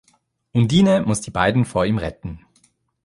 Undine muss die beiden vor ihm retten.